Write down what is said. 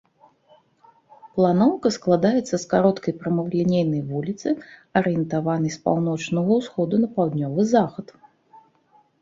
Планоўка складаецца з кароткай прамалінейнай вуліцы, арыентаванай з паўночнага ўсходу на паўднёвы захад.